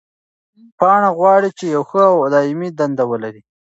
پاڼه غواړي چې یوه ښه او دایمي دنده ولري.